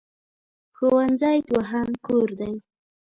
ښوونځی دوهم کور دی.